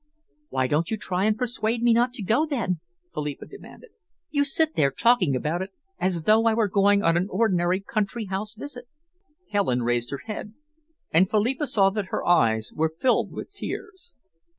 "Why don't you try and persuade me not to go, then?" Philippa demanded. "You sit there talking about it as though I were going on an ordinary country house visit." Helen raised her head, and Philippa saw that her eyes were filled with tears.